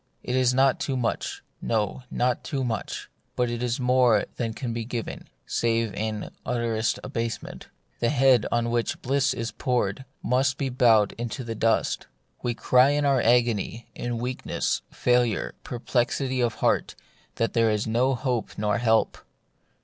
It is not too much ; no, it is not too much ; but it is more than can be given, save in utterest abasement. The head on which this bliss is poured must be bowed into the dust. We cry in our agony, in weakness, failure, perplexity of heart, that there is no hope nor help.